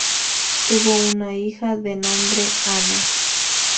Tuvo una hija, de nombre Ana.